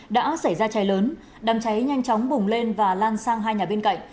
đã xảy ra cháy lớn đàm cháy nhanh chóng bùng lên và lan sang hai nhà bên cạnh